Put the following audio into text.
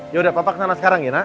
ya udah papa kenal sekarang ya nak